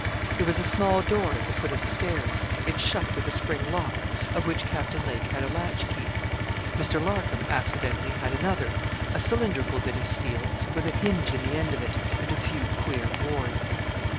There was a small door at the foot of the stairs. It shut with a spring lock, of which Captain Lake had a latch key. Mr. Larcom accidentally had another a cylindrical bit of steel, with a hinge in the end of it, and a few queer wards.